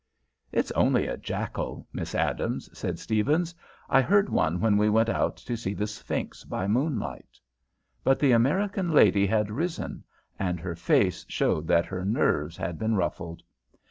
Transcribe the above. "It's only a jackal, Miss Adams," said Stephens. "I heard one when we went out to see the Sphinx by moonlight." But the American lady had risen, and her face showed that her nerves had been ruffled.